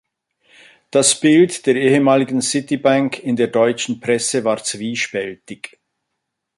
Das Bild der ehemaligen Citibank in der deutschen Presse war zwiespältig.